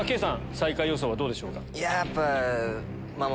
最下位予想はどうでしょうか？